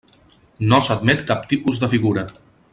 NO s'admet cap tipus de figura.